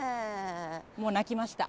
もう泣きました。